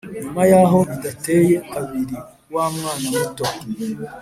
Nyuma yaho bidateye kabiri wa mwana muto